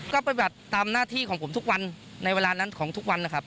ก็ปฏิบัติตามหน้าที่ของผมทุกวันในเวลานั้นของทุกวันนะครับ